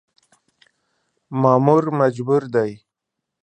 مامور مجبور دی .